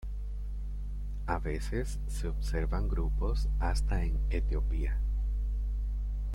A veces se observan grupos hasta en Etiopía.